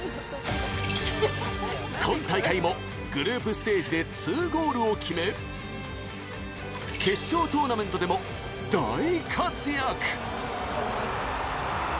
今大会もグループステージで２ゴールを決め決勝トーナメントでも大活躍。